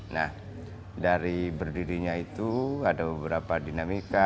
nah dari berdirinya itu ada beberapa dinamika